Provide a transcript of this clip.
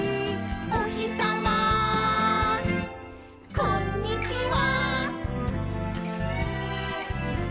「おひさまこんにちは！」